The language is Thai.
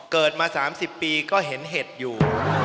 เกิดมา๓๐ปีก็เห็นเห็ดอยู่